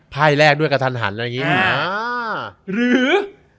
ไพ่แรกด้วยกับทันหันแล้วอย่างงี้อ่าหรือ